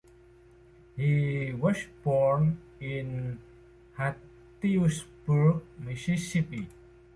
He was born in Hattiesburg, Mississippi.